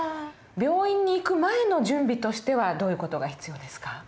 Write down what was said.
病院に行く前の準備としてはどういう事が必要ですか？